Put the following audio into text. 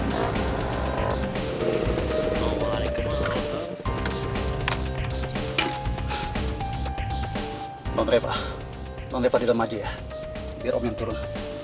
tolong repot tolong repot di dalam aja ya biar om yang turun